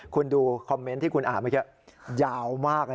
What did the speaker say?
คุณดูคอมเมนท์ที่คุณอ่านมันแย่ยาวมากนะฮะ